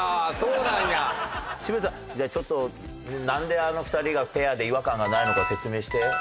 渋谷さんじゃあちょっとなんであの２人がペアで違和感がないのか説明して。